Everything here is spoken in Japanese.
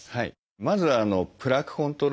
まずはプラークコントロールですね。